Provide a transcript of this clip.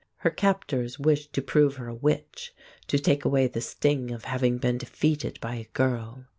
Her captors wished to prove her a witch to take away the sting of having been defeated by a girl.